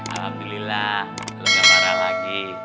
alhamdulillah lu gak marah lagi